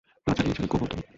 পা চালিয়ে যাস গোবর্ধন।